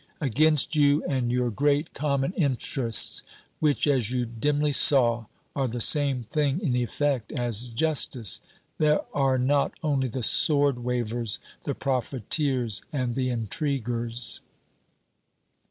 Against you and your great common interests which as you dimly saw are the same thing in effect as justice, there are not only the sword wavers, the profiteers, and the intriguers.